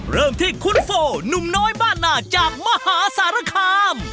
เริ่มที่คุณโฟนุ่มน้อยบ้านนาจากมหาสารคาม